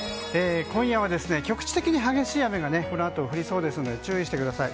今夜は局地的に激しい雨がこのあと降りそうですので注意してください。